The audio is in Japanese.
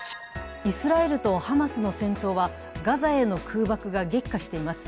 イスラエルとハマスの戦闘はガザへの空爆が激化しています。